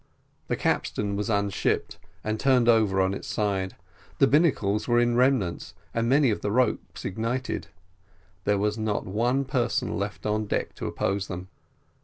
The capstern was unshipped and turned over on its side the binnacles were in remnants, and many of the ropes ignited. There was not one person left on deck to oppose them.